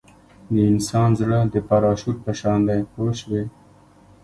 د انسان زړه د پراشوټ په شان دی پوه شوې!.